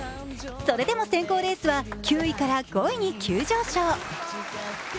それでも選考レースは９位から５位に急上昇。